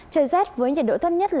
trời rét với nhiệt độ thấp nhất